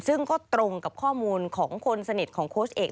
ซึ่งก็ตรงกับข้อมูลของคนสนิทของโค้ชเอก